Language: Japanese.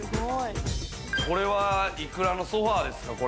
これはいくらのソファですか？